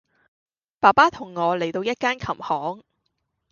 爸爸同我嚟到一間琴行